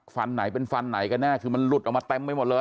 ฟันไหนเป็นฟันไหนกันแน่คือมันหลุดออกมาเต็มไปหมดเลย